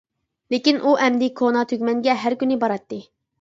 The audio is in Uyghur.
لېكىن ئۇ ئەمدى كونا تۈگمەنگە ھەر كۈنى باراتتى.